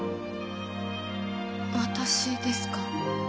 私ですか？